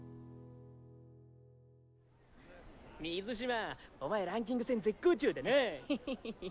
水嶋お前ランキング戦絶好調だな！